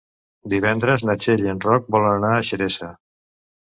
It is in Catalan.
Divendres na Txell i en Roc volen anar a Xeresa.